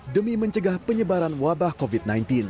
demi mencegah penyebaran wabah covid sembilan belas